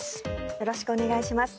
よろしくお願いします。